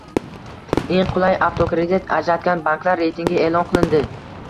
Eng qulay avtokredit ajratgan banklar reytingi e’lon qilinding